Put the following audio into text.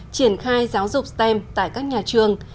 triển khai giáo dục stem tại các nhà trường